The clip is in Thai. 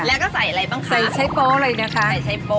แล้วก็ใส่อะไรบ้างคะใส่ใช้โป๊เลยนะคะใส่ใช้โป้